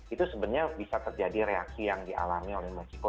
itu sebenarnya bisa terjadi reaksi yang dialami oleh mas ciko